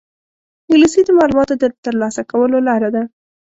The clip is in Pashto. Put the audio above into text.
انګلیسي د معلوماتو د ترلاسه کولو لاره ده